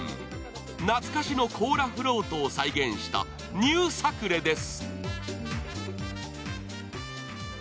懐かしのコーラフロートを再現したニュー・サクレです。